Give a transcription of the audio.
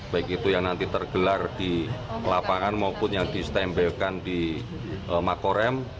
baik itu yang nanti tergelar di lapangan maupun yang distembelkan di makorem